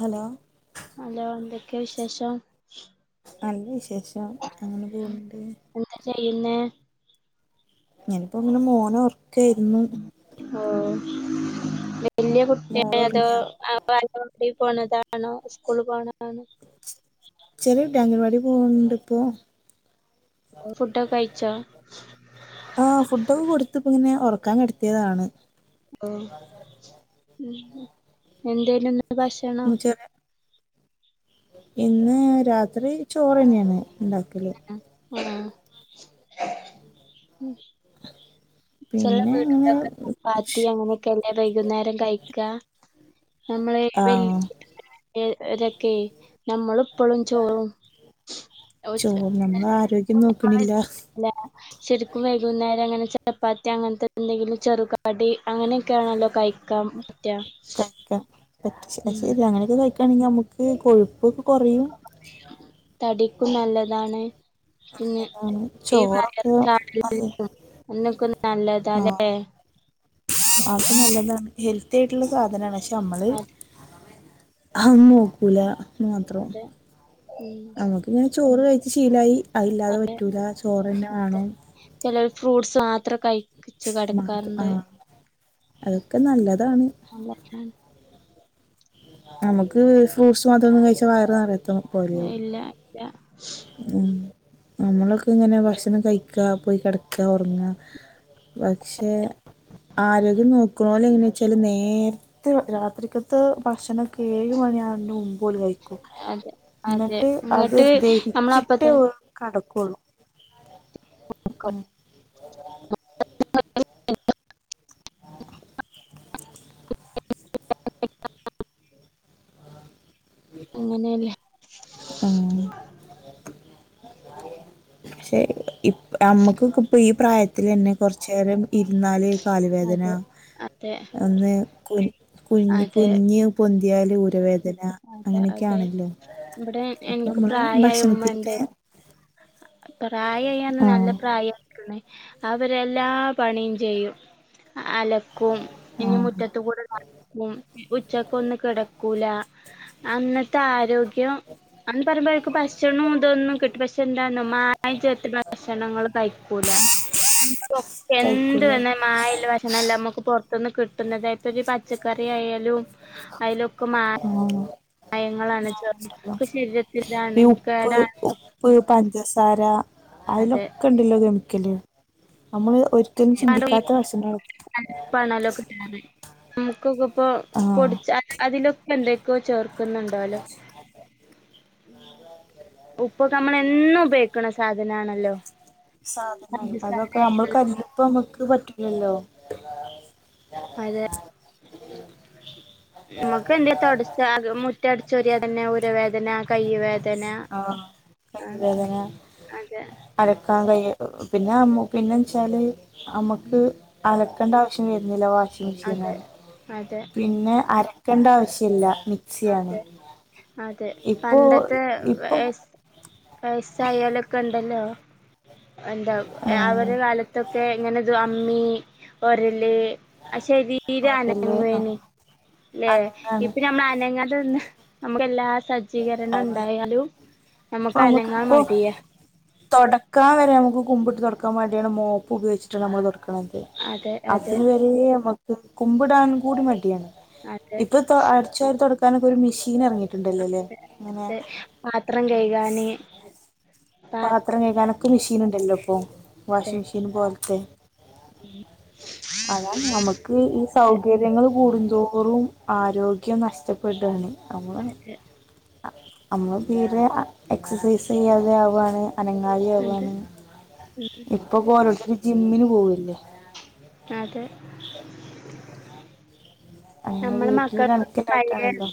Hello hello എന്തൊക്കെയാ വിശേഷം? നല്ല വിശേഷം അങ്ങനെ പോണുണ്ട് എന്ത ചെയ്യുന്നെ? ഞാനിപ്പൊങ്ങനെ മോനെ ഉറക്കെയ്ര്ന്നു ആഹ് വലിയ കുട്ടിയ മോള് അതോ ഒർങ്ങിയോ വാലവാടി പോണതാണോ സ്കൂള് പോണതാണോ ചെറിയ കുട്ട്യ അംഗനവാടി പോവുന്നുണ്ട് ഇപ്പൊ ഫുഡൊക്കെ കഴിച്ചൊ? ആ ഫുഡൊക്കെ കൊടുത്ത് ഇപ്പൊ ഇങ്ങനെ ഉറക്കാൻ കിടത്തിയതാണ് ഏഹ് എന്തേനു ഇന്നത്തെ ഭക്ഷണം? [unintelligible] ഇന്ന് രാത്രി ചോറ് തന്നെയാണ് ഉണ്ടാക്കൽ [unintelligible] ചില പിന്നെ ഇങ്ങനെ വീട്ടിലൊക്കെ ചപ്പാത്തി ഷ്- അങ്ങനെയൊക്കെ അല്ലേ വൈകുന്നേരം കഴിക്ക നമ്മളെ ആ വെല്ലി [unintelligible] രൊക്കെയ് നമ്മള് ഇപ്പളും ചോറും ചോറ് നമ്മളെ ആരോഗ്യം [unintelligible] നോക്ക്ണില്ല അല്ല ശരിക്കും വൈകുന്നേരം ഇങ്ങനെ ച ചപ്പാത്തി അങ്ങനത്തെ എന്തെങ്കിലും ചെറുകടി അങ്ങനെയൊക്കെയാണല്ലൊ കഴിക്കാൻ പറ്റ അത് ശരിയ അങ്ങനെയൊക്കെ കഴിക്കണെങ്കിൽ നമുക്ക് കൊഴുപ്പൊക്കെ കൊറയും തടിക്കും നല്ലതാണ് പിന്നെ നല്ലതാണ് ഈ വയർ ചോറൊക്കെ ചാടൽ നല്ല- അതിനൊക്കെ ആ നല്ലതാല്ലെ അത് നല്ലതാണ് ഹെൽത്തി ആയിട്ടുള്ള സാധനാണ് പക്ഷെ നമ്മള് അതൊന്നും നോക്കൂല മാത്രം അതെ ഉം നമ്മക്ക്ങ്ങനെ ചോറ് കഴിച്ച് ശീലായി അത് ഇല്ലാതെ പറ്റൂല ചോറെന്നെ വേണം ചെലോൽ ഫ്രൂട്സ് മാത്ര കഴി ച്ച് മാത്രം ആ കിടക്കാറുണ്ട് അതൊക്കെ നല്ലതാണ് [unintelligible] നമുക്ക് ഫ്രൂട്സ് മാത്രം കഴിച്ച വയറ് നറയത്തൊന്നു ഏഹ് ഇല്ല ല്ല ഉം നമ്മളൊക്കെ ഇങ്ങനെ ഭക്ഷണം കഴിക്ക പോയി കിടക്ക ഉറങ്ങ പക്ഷെ ആരോഗ്യം നോക്കി നോക്ക്ണോല് എങ്ങനെ വെച്ചാൽ നേരത്തെ രാത്രിക്കത്തെ ഭക്ഷണം ഏഴ് മണിയാവുന്നതിന്റെ മുൻപ് ഓല് കഴിക്കും ക്കും അതെ അതെ ഇന്നട്ട് അത് ഇങ്ങട്ട് നമ്മളപ്പത്ത ദഹിച്ചിട്ട് ഓല് കടക്കുള്ളു [unintelligible] [unintelligible] ഉം അങ്ങനെണ് ആഹ് പക്ഷെ ഇ ഞമ്മക്കൊക്കെ ഇപ്പൊ ഈ പ്രായത്തിലെന്നെ കുറച്ച് നേേരം ഇരുന്നാല് കലുവേദന അതെ അതെ ഒന്ന് കുഞ് കുഞ്ഞ് അതെ കുനിഞ് പൊന്തിയാൽ ഊരവേദന അതെ അതെ അങ്ങനെയൊക്കെയാണല്ലോ ഇവിടെ ഇപ്പൊ എനിക്ക് നമ്മള് പ്രായമായ ഉമ്മണ്ട് ഭക്ഷണത്തിലത്തെ പ്രായായി എന്ന് പറഞ്ഞാൽ നല്ല ആഹ് പ്രായയിക്ക്‌ണ് അവരെല്ലാ പണിയും ചെയ്യും അലക്കും പിന്നെ ആഹ് മുറ്റത്ത് കൂടെ പണിടുക്കും ഉച്ചക്ക്‌ ഒന്നും കിടക്കൂല അന്നത്തെ ആരോഗ്യം അന്ന് പറയുമ്പോയൊക്കെ ഭക്ഷണം ഇതൊന്നും കിട്ട പഷ് എന്താന്നോ മായം ചേർത്ത്കാണ്ട് ഭക്ഷണങ്ങൾ കഴിക്കൂല എന്ത് കഴിക്കൂല തിന്നാലും മായം ഇല്ല ഭക്ഷണം അല്ലെ ഞമ്മക്ക് കിട്ടുന്നത് ഒരു പച്ചക്കറി ആയാലും അതിലൊക്കെ മായം ആഹ് പയങ്ങളാണ് ചേർ ഈ ശരീരത്തിലാണ് ഉപ്പ് കേടാണ് ഉ പ്പ് പഞ്ചസാര അത് അതിലൊക്കെണ്ടല്ലോ കെമിക്കല് നമ്മള് ഒരിക്കലും ചിന്തിക്കാത്ത ഭക്ഷണംആയിരിക്കും കല്ല്പ്പാണലൊ കിട്ടണത് നമുക്കൊക്കെ ഇപ്പൊ ആഹ് പൊടി അതിലൊ. പ്പന്തൊക്കെയോ ചേർക്കുന്നുണ്ടാലോ ഉപ്പൊക്കെ നമ്മളെന്നും ഉപയോഗിക്കണ സാധനാണല്ലോ സാധനായി അതൊക്കെ നമ്മള് പഞ്ചസാരയാലും കല്ലുപ്പ് നമക്ക് പറ്റില്ലല്ലോ അതെ നമക്ക് എന്തേ തൊട്ച്ചാ അതും മു മുറ്റടിച്ചൊരിയാ തന്നെ ഉരവേദന കയ്യൂവേദന ആഹ് ആഹ് കൈവേദന അതെ അലക്കാൻ കയ പിന്നെ പിന്ന വെച്ചാല് നമ്മക്ക് അലക്കേണ്ട ആവശ്യം വരുന്നില്ല വാഷിംഗ് അതെ മെഷീനാണ് അതെ പിന്നെ അലക്കേണ്ട ആവശ്യല്ല മിക്സിയാണ് അതെ അതെ ഇപ്പോ പണ്ടത്തെ ഇപ്പം എ വയസായാലൊക്കെ ണ്ടല്ലോ എന്താ ആഹ് അവരെ കാലത്തൊക്കെ ഇങ്ങനെത് അമ്മി ഒരല് ആ ശരീരം ഒരല് അനങ്ങേയിന്ന് ആഹ് ല്ലേ അനങ്ങാണ് ഇപ്പ നമ്മള അതന്ന് നമുക്ക് എല്ലാ സജ്ജീകരണം അത് ഉണ്ടായാലും ഇപ്പൊ നമക്ക് അനങ്ങാൻ നമുക്കിപ്പോ മടിയ തൊടക്കാൻ വരെ നമുക്ക് കുമ്പിട്ട് തൊടക്കാൻ മടിയാണ് മോപ്പ് ഉപയോഗിച്ചിട്ട് നമ്മള് തൊടക്ക്ണത് അതെ അതെ അതിന് വരെ നമക്ക് കുമ്പിടാൻ കൂടി മണ്ടിയാണ് അതെ ഇപ്പ ഇപ്പൊ അടിച്ചുവാരി തൊടക്കാനൊക്കെ ഒരു മെഷീന് എറങ്ങിയിട്ടുണ്ടല്ലോല്ലേ അതെ ങ്ങനെ അതെ പാത്രം കഴുകാന് പാ പാത്രം കഴിക്കാനൊക്കെ മെഷീൻ ണ്ടല്ലോ ഇപ്പൊ അതെ വാഷിംഗ് മെഷീൻ പോലത്തെ അതാണ് നന്മക്ക് ഈ അതെ സൗകര്യങ്ങൾ കൂടുന്തോ റും ആരോഗ്യം നഷ്ടപ്പെടാണ് നമ്മള് അതെ ഞമ്മള് തീരെ എക്സസൈസ് ചെയ്യാതെ ആവു ആണ് അതെ അനങ്കാരിയാകാന ഉം ഇപ്പൊ ഓരോരുത്തര് ജിമ്മിന് പോവല്ലേ. അതെ അങ്ങനെ നമ്മള വീട്ടില് മക്ക പഴേ കണക്കിലായിട്ടാണല്ലോ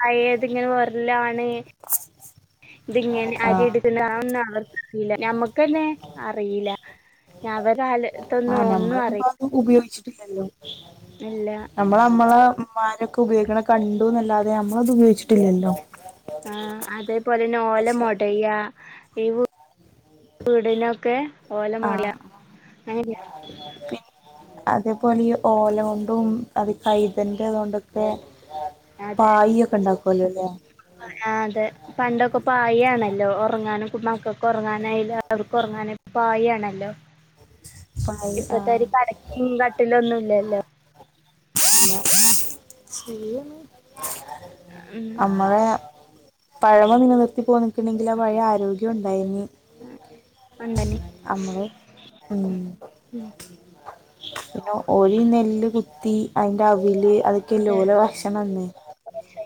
പഴേ തിങ്ങനെ ഒര്ലാണ് [unintelligible] ഇത് ഇങ്ങനെ അരി ആഹ് എടുക്കുന്ന അതൊന്നും അവർക്കറിയില്ല ഞമ്മ തന്നേ, അറീല്ല, അവരെ ആഹ് കാലത്തൊന്നും ഒന്നും നമ്മളിപ്പോ അറിയി അത് ഉപയോഗിച്ചിട്ടില്ലല്ലോ ന്നല്ല നമ്മൾ നമ്മളെമ്മാരൊക്കെ ഉപയോഗിക്കണ കണ്ടു എന്നല്ലാതെ നമ്മളത് ഉപയോഗിച്ചിട്ടില്ലല്ലോ ആഹ് അതേപോലെന്നെ ഓല പക്ഷെ മൊടയ്യ ഇവ് വീടിനൊക്കെ ഓല മോട ങ്ങന പിന്നെന്തുവാ അതേപോലെ ഈ ഓല കൊണ്ടും അത് കൈതന്റെ ഇതോണ്ടൊക്കെ അതെ പായ് ഒക്കെ ണ്ടാക്കുല്ലോ ല്ലേ ആഹ് അതെ പണ്ടൊക്കെ പായ് ആണല്ലോ ഒറങ്ങാനും കു മക്കക്കൊറങ്ങാനായാലും ആർക്ക് ഒറങ്ങാനായാലും പായ് ആണല്ലോ [unintelligible] പായ് ആഹ് ഇപ്പത്തെമാതിരി കെടക്കിം കട്ടിലൊന്നും ല്ലല്ലോ ശരിയാണ് ഉം നമ്മളെ പഴമ നില നിർത്തി പോന്ന്ക്ക് ണ്ങ്കി ആപഴയ ആരോഗ്യ ഗ്യം ണ്ടായിന് ഉം ഒണ്ടല്ലേ അമ്മള് ഉം ഉം ഇപ്പൊ ഒരു നെല്ല് കുത്തി അതിന്റെ അവില് അത് അതെ ത്തിലോല ഭക്ഷണംന്ന്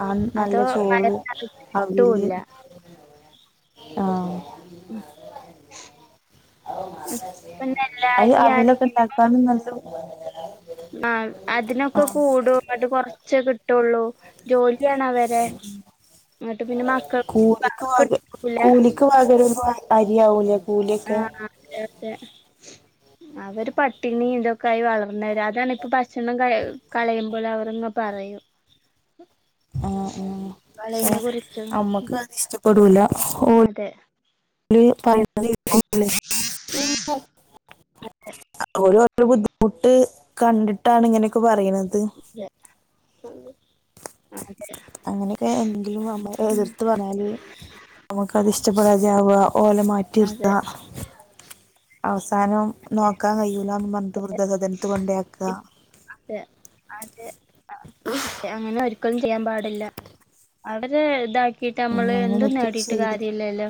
ആ നല്ല അതോ ചോറ് വയറിനകത്ത് അവില് കിട്ടൂല്ല ആഹ് ഉം ഇപ്പൊ അയ് നെല്ലാരിയാണെങ്കി അവിലൊക്കെ ഇണ്ടാക്കാനു നല്ല മാം അതിനൊക്കെ ആഹ് കൂടും ന്നിട്ട് കൊറചെ കിട്ടുള്ളൂ ജോലിയാണ് അവ അതെ എന്നി ട്ട് പിന്നെ മക്കൾക് [unintelligible] ക്ക് വകരുമ്പ അരിയാവൂലേ കൂലിയൊക്കെ ആഹ് അതെ അതെ അവര് പട്ടിണീതൊ ക്കായി വളർന്നവര് അതാണിപ്പ ഭക്ഷണം കൈ കളയുമ്പോൾ അവർങ്ങ പറയും ആഹ് ആഹ് ക്ഷെ കളയിനെ കുറിച്ച് അമ്മക്ക് അത് ഇഷ്ടപ്പെടൂല ഓൽ അതെ ല് [unintelligible] ഓല് ഓലെ ബുദ്ധിമുട്ട് കണ്ടിട്ടാണ് ഇങ്ങനെയൊക്കെ പറയുന്നത് തൊ ആഹ് അതെ അങ്ങനെയൊക്കെ എന്തെങ്കിലും നമ്മ എതിർത്ത് പറഞ്ഞാല് നമ്മക്കതിഷ്ടപ്പെടാതെയാവ ഓലെ അതെ മാറ്റിർത്ത അവസാനം നോക്കാൻ കഴിയൂല്ല ന്നും പറഞ്ഞിട്ട് വൃദ്ധ സദൻത്ത് കൊണ്ടേ ആക്ക അതെ അതെ അതെ അങ്ങനെ ഒരിക്കലും ചെയ്യാൻ പാടില്ല അവര് ഇതാ ക്കിട്ട് ഉം അമ്മള് അങ്ങനെയൊന്നും എന്തും ഒരിക്കലും നേടിട്ട് ചെയ്യരുത് കാര്യല്ലല്ലോ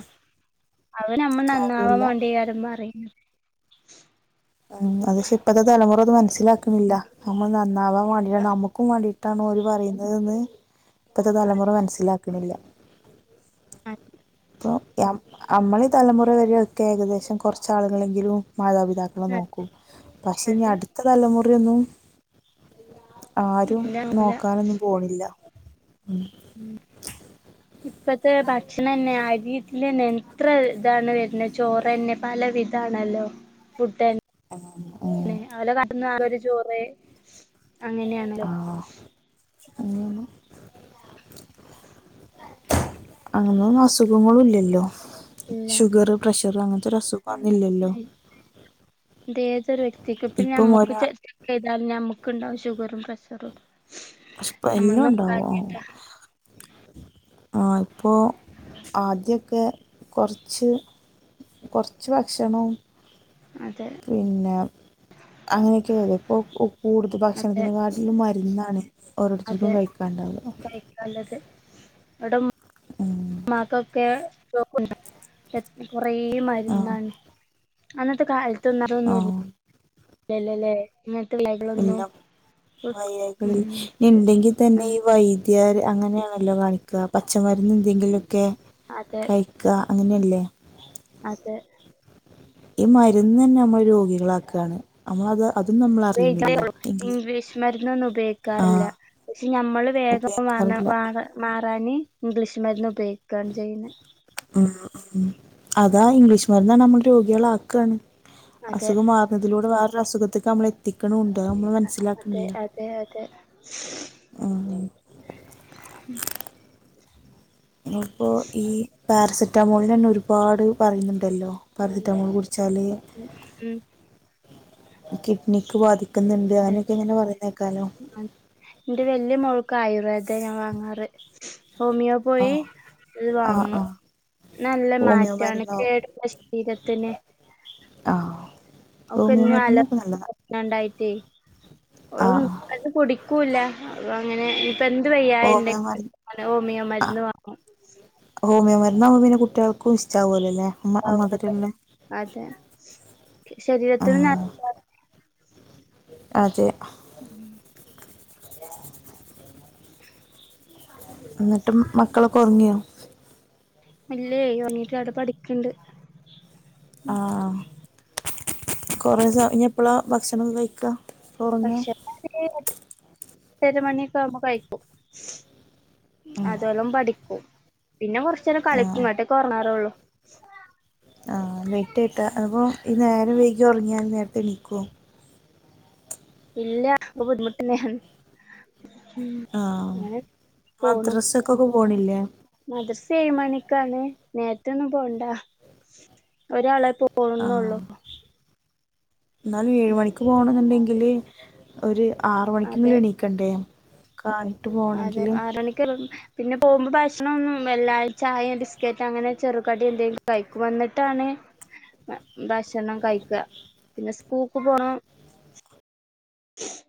അവൻ നമ്മൾ നന്നാവാൻ കാര്യമില്ല വാണ്ടി കാര്യം പറയ്ന്ന് ഉം അത്ക്ഷെ ഇപ്പത്തെ തലമുറ അത് മനസ്സിലാക്ണില്ല നമ്മൾ നന്നാവാൻ വാണ്ടിട്ട നമുക്കും വേണ്ടി ട്ടാണ് ഒര് പറയുന്നതെന്ന് ഇപ്പഴത്തെ തലമുറ മനസ്സിലാക്കുന്നില്ല അതെ പൊ യം അമ്മളീ തലമുറ വരെയൊക്കെ ഏകദേശം കൊർച്ചാളുകളെങ്കിലും മാതാപിതാ ക്കളെ നോക്കും. പക്ഷെ ഇനി അതെ അടുത്ത തലമുറയൊന്നും ആരും ഇല്ല നോക്കൂല നോക്കാനൊന്നും പോണില്ല ഉം ഉം ഇപ്പത്തെ ഭക്ഷണെന്നെ അരിതിലെഞ്ഞെ എത്രെ താണ് വെര്ണെ ചോറെന്നെ പല വിധാണല്ലോ ഫുഡ്ഡെൻ ഉം. ന്നെ അവല കരംന്ന് ആ ഒര് ചോറ് അങ്ങനെയാണല്ലോ ആഹ് [unintelligible] നി അന്നൊന്നും അസുഖങ്ങളുംല്ലെല്ലോ ഇല്ല ഷുഗെറ് പ്രെഷെറ് അങ്ങൻത്തൊരസുഗം അന്നില്ലെല്ലോ ഇതേതൊര് വ്യക്തിക്ക് പ്പം ഇപ്പം ഞമ്മുക്ക് ഒരാ ചെ ചെയ്താലും ഞമ്ക്ക്ണ്ടാവും ഷുഗെറും പ്രെഷെറുക്കെ സ്പെല്ലുണ്ടാവു ഓഹ് ആഹ് ഇപ്പോ ആദ്യൊക്കെ കൊർച്ച് കൊർച്ച് ഭക്ഷണും അതെ പിന്നെ അങ്ങെനെക്കെയ്ത് ഇപ്പോ കു കൂടുത അതെ ഭക്ഷണത്ത്നെ കാട്ടിലും മര്ന്നാണ് ഓരോര്ത്തര്ക്കും കയ്ക്കാണ്ടാവാ നല്ലത് വെടം ഊം മ്മാക്കൊക്കെ [unintelligible] എ കാെറേ ആഹ് മര്ന്നാണ് അന്നത്തെ കാൽത്തൊന്നും അതൊന്നു ആഹ് ല്ലല്ലലേ ഇങ്ങൻത്തെ ഇല്ലായ്കളൊന്നും എല്ലാം ഓൽക് ഊം ഞ്ഞ് ഇണ്ടെങ്കി തന്നെ ഈ വൈദ്യാര് അങ്ങെനേണല്ലോ കാണിക്കാ പച്ചമരുന്ന്ന്ത്ങ്കിലൊക്കെ അതെ കയ്ക്കാ അങ്ങെനെല്ലേ അതെ ഈ മരുന്നെന്നെ മ്മളെ രോഗികളാക്കാണ് [unintelligible] എങ്കിൽ ഇംഗ്ലീഷ് മര്ന്നൊന്നും ആഹ് ഉപയോയ്ക്കാറില്ലാ പക്ഷെ ഞമ്മള് വേഗം വാന്ന് ഉപയോഗിക്കാറില്ല വാന്ന് മാറാന് ഇംഗ്ലീഷ് മര്ന്ന് ഉപയോയ്ക്കാണ് ചെയ്യ്ന്നെ ആഹ് ആഹ് അതാ ഇംഗ്ലീഷ് മര്ന്നാണ് നമ്മെളെ രോഗികളാക്കാണ് അതെ അസുഖം മാറ്ന്നതിലൂടെ വേറൊരസുഖത്ത്ക്ക് അമ്മെളെ എത്തിക്ക്ണൂണ്ട് അത് അമ്മെള് മൻസ്സ്ലാക്ക്ണ്ല്ലാ തേ അതെ ഇപ്പൊ ഈ പാരസിറ്റാമോൾനെന്നെ ഒരുപാട് പറയ്ന്ന്ണ്ടല്ലോ പാരസിറ്റാമോള് ഉം കുട്ച്ചാല് ഉം കിഡ്നിക്ക് ബാധി ക്ക്ന്ന്ണ്ട് അതെ അതിനൊക്കെ ഇങ്ങെനെ പറയ്ണേക്കാലോ ഇന്റെ വെല്യ മോൾക്ക് ആയുർവേദെ ഞാൻ വാങ്ങാറ് ഹോമിയോ പോയി ആഹ് ഇത് ആഹ് വാങ്ങും ആഹ് നല്ല ഹോമിയോ മാറ്റാണ് മരുന്നാവും കേട്ല്ല ശരീരത്ത്ന് ആഹ് ഹോമിയോ മര്ന്നൊക്കെ നല്ലെതാ രണ്ടായ്ര്ത്ത്യേ ആഹ് അത് കുടിക്കൂല്ലാ അപ്പ അങ്ങെനെ ഞ്ഞ്പ്പ എന്ത് വയ്യായണ്ടെ ഹോമിയോ മരുന്ന് ഹോമിയോ ആഹ് മര്ന്ന് വാങ്ങും ഹോമിയോ മര്ന്നാവുമ്പം പിന്നെ കുട്ട്യാൾക്കും ഇഷ്ടാവോലലേ മ മധ്‌രള്ളെത് അതെ ശരീരത്തിന് ആഹ് നല്ല അതെ ഉം [inaudible] [unintelligible] അന്നട്ടും മക്കളൊക്കെ ഒറങ്ങിയോ ഇല്ലേ ഒറങ്ങിട്ടില്ല അവിടെ പഠിക്കെണ്ട് ആഹ് കൊറേ സ ഇനി എപ്പളാ ഭക്ഷണം കഴിക്കാ ഭക്ഷണം [unintelligible] എട്ടര മണിയൊക്കെ ആകുമ്പ കഴിക്കും അതോളം പഠിക്കും പിന്നെ കൊറച്ചേരം ആ കളിക്കും അന്നിട്ടക്കേ ഒറങ്ങാറുള്ളു ആഹ് ലേറ്റ് ആയിട്ടാ അപ്പോ ഈ നേരം വൈകി ഒറങ്ങിയാ നേരത്തെ എണീക്കോ ഇല്ല അത് ബുദ്ധിമുട്ടന്നെയാണ് ആഹ് അങ്ങനെ പോണു മദ്രസക്കൊക്കെ പോണില്ലേ മദ്രസ ഏഴ് മണിക്കാണ് നേരത്തെ ഒന്നും പോകണ്ട ഒരാളെ ആ പോകുന്നൊള്ളൂ എന്നാലും ഏഴ്മണിക്ക് പോകണം എന്നുണ്ടെങ്കില് ഒരു അതെ ആറ്മണിക്കെങ്കിലും എണീക്കണ്ടേ കാലത്ത് പോ അതെ ആറ് മണിക്ക് [unintelligible] പിന്നെ പോകുമ്പോ ഭക്ഷണോന്നും വല്ലായ ചായ ബിസ്കറ്റ് അങ്ങനെ ചെറുകടി എന്തെങ്കിലും കഴിക്കും അന്നിട്ടാണ് ഭക്ഷണം കഴിക്ക പിന്നെ സ്കൂക്ക് പോണം ഉം